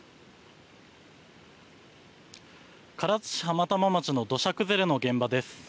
唐津市浜玉町の土砂崩れの現場です。